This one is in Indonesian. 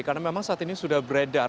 karena memang saat ini sudah beredar